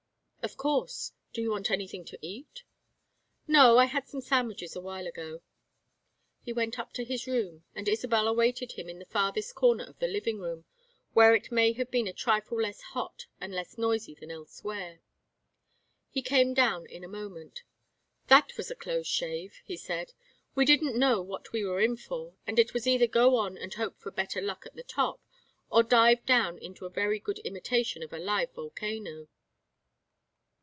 "Of course. Do you want anything to eat." "No, I had some sandwiches a while ago." He went up to his room and Isabel awaited him in the farthest corner of the living room, where it may have been a trifle less hot and less noisy than elsewhere. He came down in a moment. "That was a close shave," he said. "We didn't know what we were in for, and it was either go on and hope for better luck at the top, or dive down into a very good imitation of a live volcano."